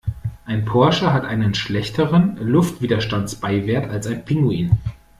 Ein Porsche hat einen schlechteren Luftwiderstandsbeiwert als ein Pinguin.